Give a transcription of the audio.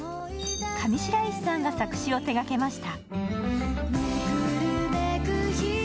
上白石さんが作詞を手がけました。